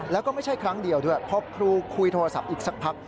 แล้วก็ไม่ใช่ครั้งเดียวด้วยพอครูคุยโทรศัพท์อีกสักพัก